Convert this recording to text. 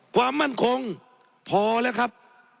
ความมั่นคงพอแล้วครับ